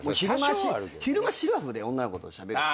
昼間しらふで女の子としゃべること。